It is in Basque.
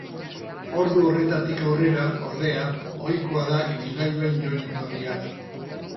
Ordu horretatik aurrera, ordea, ohikoa da ibilgailuen joan-etorria.